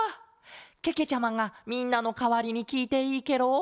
けけちゃまがみんなのかわりにきいていいケロ？